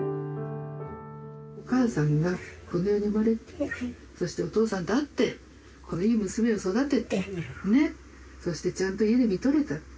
お母さんがこの世に生まれてそして、お父さんと会ってこのいい娘を育ててねそして、ちゃんと家でみとれた。